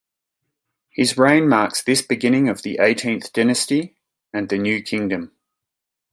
His reign marks this beginning of the Eighteenth Dynasty and the New Kingdom.